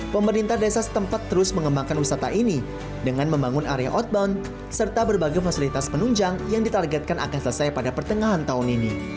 pemerintah desa setempat terus mengembangkan wisata ini dengan membangun area outbound serta berbagai fasilitas penunjang yang ditargetkan akan selesai pada pertengahan tahun ini